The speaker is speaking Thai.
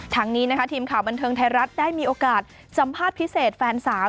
ทั้งนี้นะคะทีมข่าวบันเทิงไทยรัฐได้มีโอกาสสัมภาษณ์พิเศษแฟนสาว